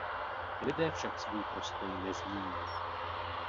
Lidé však svůj postoj nezmění.